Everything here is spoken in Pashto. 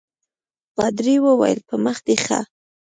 پادري وویل په مخه دي ښه.